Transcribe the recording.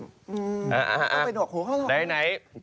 อืมต้องไปหนวกหูเข้าลง